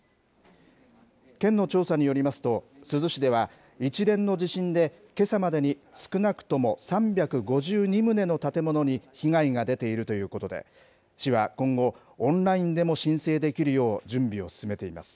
県の調査によりますと、珠洲市では、一連の地震で、けさまでに少なくとも３５２棟の建物に被害が出ているということで、市は今後、オンラインでも申請できるよう、準備を進めています。